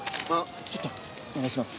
ちょっとお願いします。